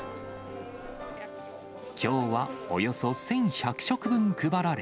きょうはおよそ１１００食分配られ。